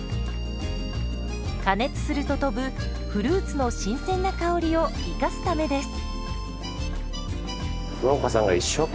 加熱すると飛ぶフルーツの新鮮な香りを生かすためです。